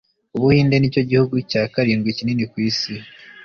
ubuhinde nicyo gihugu cya karindwi kinini ku isi